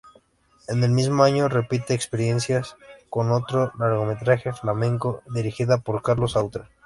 En el mismo año repite experiencia con otro largometraje: "Flamenco" dirigida por Carlos Saura.